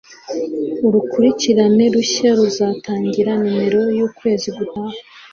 Urukurikirane rushya ruzatangira nimero yukwezi gutaha.